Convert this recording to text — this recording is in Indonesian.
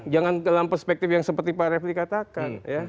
jangan dalam perspektif yang seperti pak refli katakan